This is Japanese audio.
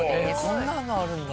こんなのあるんだ！